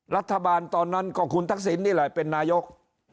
รัฐบาลตอนนั้นก็คุณทักษิณนี่แหละเป็นนายก